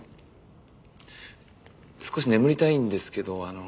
少し眠りたいんですけどあの。